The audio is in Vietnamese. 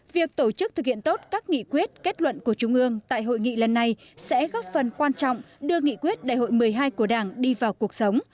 việc tổ chức thực hiện tốt các nghị quyết kết luận của trung ương tại hội nghị lần này sẽ góp phần quan trọng đưa nghị quyết đại hội một mươi hai của đảng đi vào cuộc sống